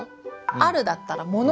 「ある」だったら「もの」。